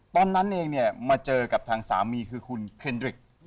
ตอนนั้นเองเนี่ยมาเจอกับทางสามีคือคุณเคนดริก